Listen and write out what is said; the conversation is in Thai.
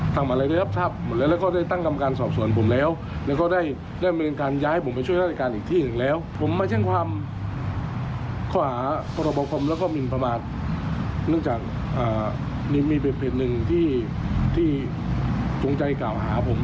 ตรงใจกล่าวหาผมแล้วก็เล่นผมมาก